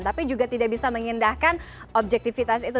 tapi juga tidak bisa mengindahkan objektivitas itu